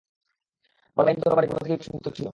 টহল বাহিনীর তরবারি পূর্ব থেকেই কোষমুক্ত ছিল।